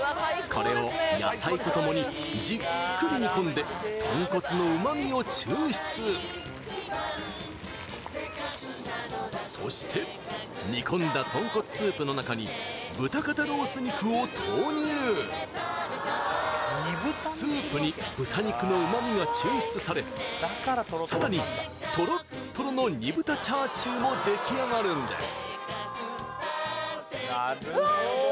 これを野菜とともにじっくり煮込んで豚骨の旨みを抽出そして煮込んだスープに豚肉の旨みが抽出されさらにトロットロの煮豚チャーシューも出来上がるんです